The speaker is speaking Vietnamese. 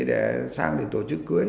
để sang tổ chức cưới